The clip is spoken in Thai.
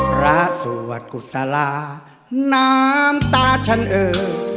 พระสวัสดิ์กุศลาน้ำตาฉันเอ่ย